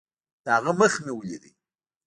د هغه مخ مې وليد.